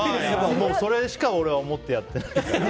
それしか俺は思ってやってないから。